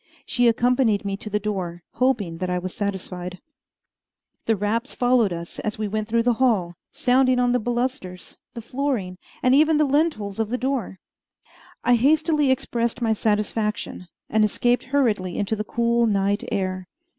She accompanied me to the door, hoping that I was satisfied. The raps followed us as we went through the hall, sounding on the balusters, the flooring, and even the lintels of the door. I hastily expressed my satisfaction, and escaped hurriedly into the cool night air.